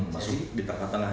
masuk di tangan tangan